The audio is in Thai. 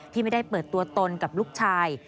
ที่ไม่ได้เปิดตัวตนกับลูกชาย